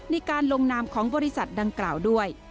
ในการลงนามของบริษัทดังกล่าวด้วย